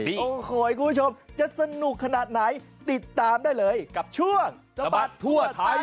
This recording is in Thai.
โอ้โหคุณผู้ชมจะสนุกขนาดไหนติดตามได้เลยกับช่วงสะบัดทั่วไทย